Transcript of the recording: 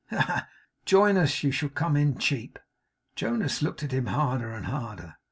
Ha, ha! Join us. You shall come in cheap.' Jonas looked at him harder and harder.